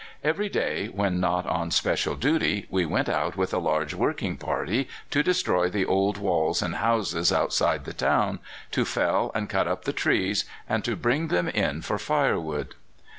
Every day, when not on special duty, he went out with a large working party to destroy the old walls and houses outside the town, to fell and cut up the trees, and to bring them in for firewood.